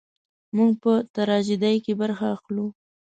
موږ په تراژیدۍ کې برخه اخلو.